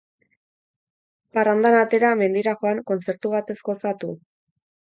Parrandan atera, mendira joan, kontzertu batez gozatu?